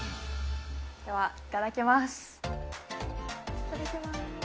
ではいただきます。